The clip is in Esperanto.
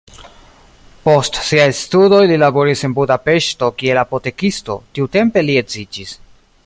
Post siaj studoj li laboris en Budapeŝto kiel apotekisto, tiutempe li edziĝis.